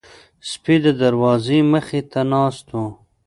سپي د دروازې مخې ته ناست وو.